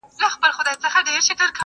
کشکي دا اول عقل اخير واى.